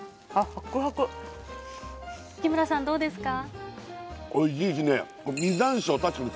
アツアツ日村さんどうですか？